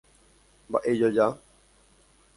Mba'e joja.